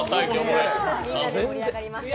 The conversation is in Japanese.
みんなで盛り上がりました。